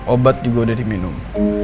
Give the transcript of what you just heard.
obat juga udah diminum